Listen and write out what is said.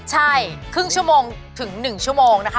ใช่ครึ่งชั่วโมงถึง๑ชั่วโมงนะคะ